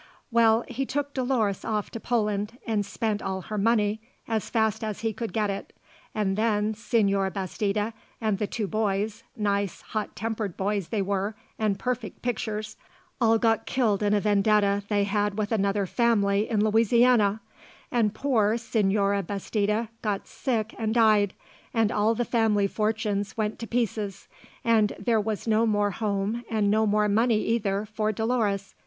Well, he took Dolores off to Poland and spent all her money as fast as he could get it, and then Señor Bastida and the two boys nice, hot tempered boys they were and perfect pictures all got killed in a vendetta they had with another family in Louisiana, and poor Señora Bastida got sick and died and all the family fortunes went to pieces and there was no more home and no more money either, for Dolores.